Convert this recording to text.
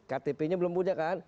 ktpnya belum punya kan